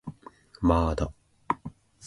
まーだ